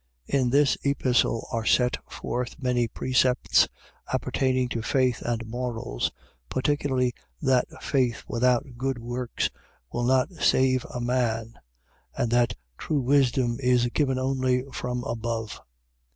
In this Epistle are set forth many precepts appertaining to faith and morals; particularly, that faith without good works will not save a man and that true wisdom is given only from above.